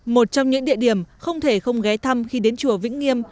một trong những địa điểm không thể không ghé thăm khi đến chùa vĩnh nghiêm